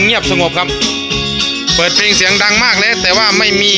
เงียบสงบครับเปิดเพลงเสียงดังมากแล้วแต่ว่าไม่มี